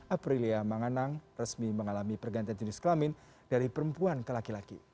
aprilia manganang resmi mengalami pergantian jenis kelamin dari perempuan ke laki laki